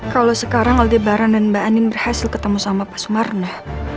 kalau sekarang aldebaran dan mbak anin berhasil ketemu sama pak sumarno